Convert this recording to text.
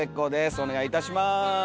お願いいたします。